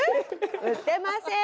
売ってません。